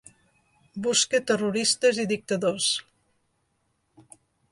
Busca terroristes i dictadors.